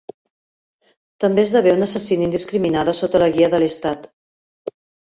També esdevé una assassina indiscriminada sota la guia de Lestat.